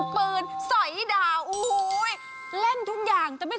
ประทู